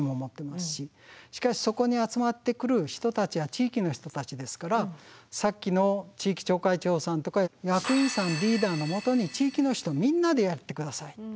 しかしそこに集まってくる人たちは地域の人たちですからさっきの地域町会長さんとか役員さんリーダーのもとに地域の人みんなでやって下さい。